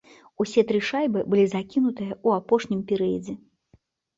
Усе тры шайбы былі закінутыя ў апошнім перыядзе.